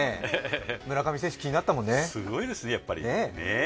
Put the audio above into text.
村上選手、気になったもんねすごいですよね。